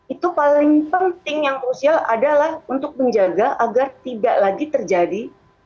itu paling penting yang krusial adalah untuk menjaga agar tidak lagi terjadi